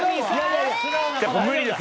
無理です。